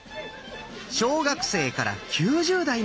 小学生から９０代まで。